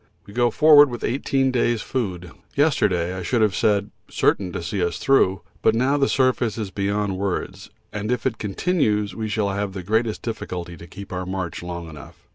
We go forward with eighteen days' food. Yesterday I should have said certain to see us through, but now the surface is beyond words, and if it continues we shall have the greatest difficulty to keep our march long enough.